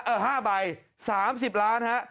เออ๕ใบ๓๐ล้านครับ